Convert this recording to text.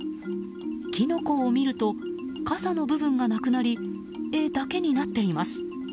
キノコを見ると傘の部分がなくなり柄だけになっています。